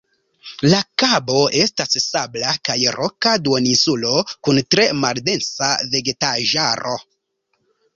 La kabo estas sabla kaj roka duoninsulo kun tre maldensa vegetaĵaro.